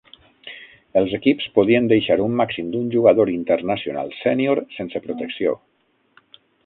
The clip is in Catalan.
Els equips podien deixar un màxim d'un jugador internacional sènior sense protecció.